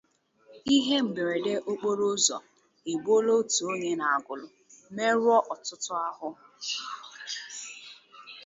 Ihe Mberede Okporo Ụzọ Egbuola Otu Onye n'Agụlụ, Merụọ Ọtụtụ Ahụ